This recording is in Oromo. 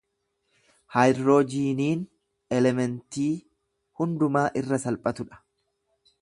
haayidiroojiiniin elementii hundumaa irra salphatu dha.